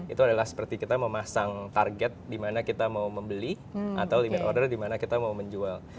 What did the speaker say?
itu adalah seperti kita memasang target di mana kita mau membeli atau lemari order di mana kita mau menjual